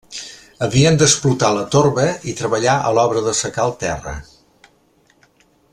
Havien d'explotar la torba i treballar a l'obra d'assecar el terra.